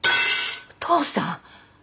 お父さん！？